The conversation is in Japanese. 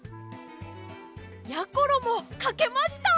やころもかけました！